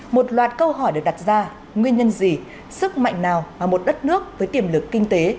một loạt câu hỏi được đặt ra nguyên nhân gì sức mạnh nào mà một đất nước với tiềm lực kinh tế